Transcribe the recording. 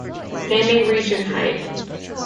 They may reach in height.